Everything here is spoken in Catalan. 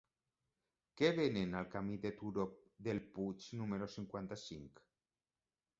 Què venen al camí del Turó del Puig número cinquanta-cinc?